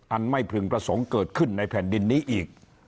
อันไม่พึงประสงค์เกิดขึ้นในแผ่นดินนี้อีก